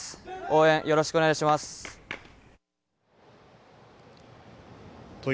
応援、よろしくお願いします。